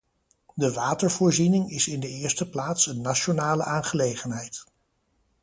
De watervoorziening is in de eerste plaats een nationale aangelegenheid.